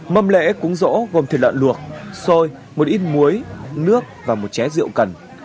mâm lễ cúng rỗ gồm thịt lợn luộc xôi một ít muối nước và một ché rượu cần